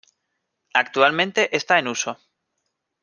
Actualmente está en uso.